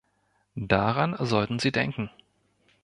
Daran sollten Sie denken.